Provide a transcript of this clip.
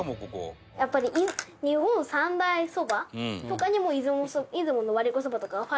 やっぱり日本三大そばとかにも出雲の割子そばとかは入るし。